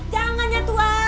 jangan ya tua